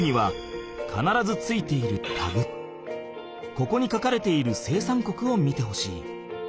ここに書かれている生産国を見てほしい。